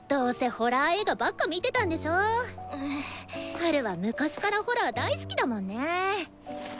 ハルは昔からホラー大好きだもんね。